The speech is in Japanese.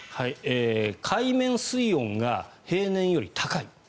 海面水温が平年より高い。